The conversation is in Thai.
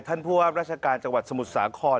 ท่านพวกราชกาลจังหวัดสมุทรสาคร